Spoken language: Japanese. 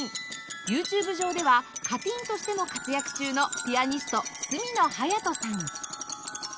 ＹｏｕＴｕｂｅ 上では「かてぃん」としても活躍中のピアニスト角野隼斗さん